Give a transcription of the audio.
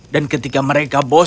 dan ketika mereka bosan